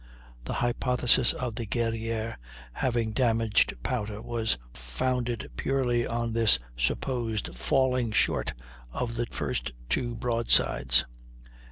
The hypothesis of the Guerrière having damaged powder was founded purely on this supposed falling short of the first two broadsides.